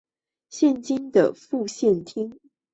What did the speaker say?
现今的副县政厅在新生村巴刹。